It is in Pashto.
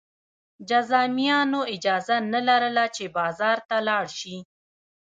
جذامیانو اجازه نه لرله چې بازار ته لاړ شي.